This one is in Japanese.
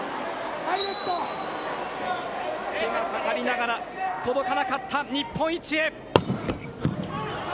手がかかりながら届かなかった日本一へ。